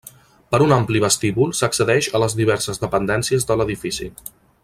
Per un ampli vestíbul s'accedeix a les diverses dependències de l'edifici.